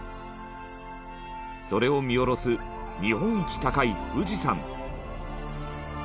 それを見下ろす日本一高い富士山。